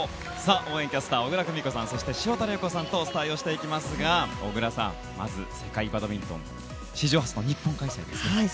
応援キャスター小椋久美子さん、潮田玲子さんとお伝えをしていきますが小椋さん、まず世界バドミントン史上初の日本開催ですね。